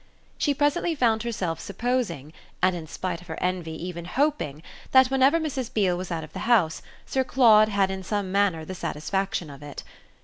She presently found herself supposing, and in spite of her envy even hoping, that whenever Mrs. Beale was out of the house Sir Claude had in some manner the satisfaction of it.